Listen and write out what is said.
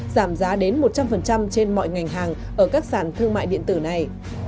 giảm giá đến một trăm linh trên mọi ngành hàng ở các sàn thương mại điện tử này